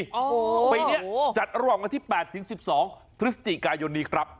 โอ้โฮโอ้โฮไปจัดร่วมที่๘ถึง๑๒พฤศจิกายนีครับ